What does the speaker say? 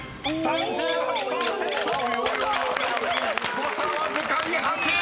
［誤差わずかに８！］